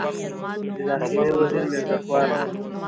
د داخلي وزیر میرزکوال